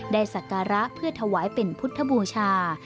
ศักระเพื่อถวายเป็นพุทธบูชา